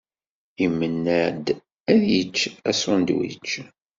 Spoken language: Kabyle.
Imenna-d ad yečč asunedwič